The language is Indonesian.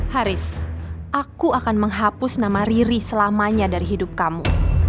haris aku akan menghapus nama riri selamanya dari hidup kamu